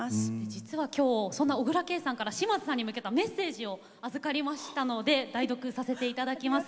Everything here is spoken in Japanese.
実は今日そんな小椋佳さんから島津さんに向けたメッセージを預かりましたので代読させて頂きます。